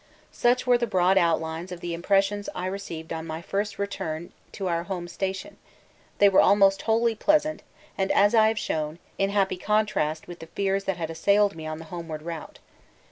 Such were in broad outline the impressions I received on my first return to our home station; they were almost wholly pleasant and, as I have shown, in happy contrast with the fears that had assailed me on the homeward route.